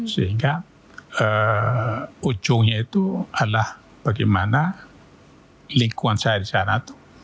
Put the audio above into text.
sehingga ujungnya itu adalah bagaimana lingkungan saya di sana